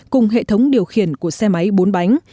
cùng hệ thống điều khiển của xe máy bốn bánh